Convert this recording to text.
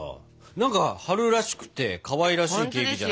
何か春らしくてかわいらしいケーキじゃないですか？